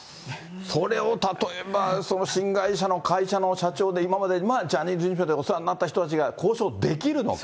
それを例えば、新会社の会社の社長で、今までジャニーズ事務所でお世話になった人たちが交渉できるのか。